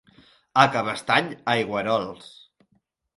A Cabestany, aigüerols.